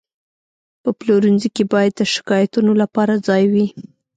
په پلورنځي کې باید د شکایاتو لپاره ځای وي.